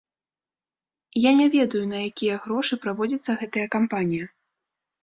Я не ведаю, на якія грошы праводзіцца гэтая кампанія.